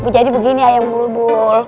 jadi begini ayang bulbul